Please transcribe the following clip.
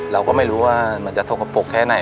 เราก็ไม่รู้ว่ามันจะสกปรกแค่ไหน